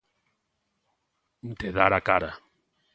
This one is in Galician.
De dar a cara.